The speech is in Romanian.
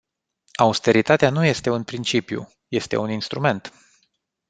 Austeritatea nu este un principiu, este un instrument.